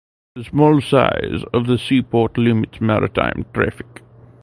The small size of the seaport limits maritime traffic.